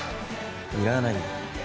いらないよ